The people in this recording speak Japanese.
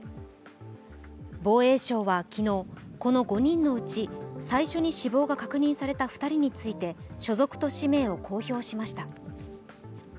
防衛省は昨日、この５人のうち最初に死亡が確認された２人について所属と氏名を公表しました。